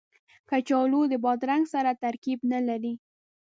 کچالو د بادرنګ سره ترکیب نه لري